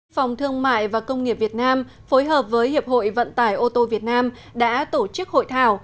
phòng thương mại và công nghiệp việt nam phối hợp với hiệp hội vận tải ô tô việt nam đã tổ chức hội thảo